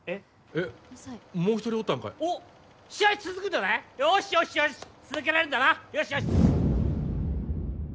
えっもう一人おったんかいおっ試合続くんだねよしよしよし続けられるんだなよしよし